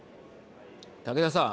竹田さん。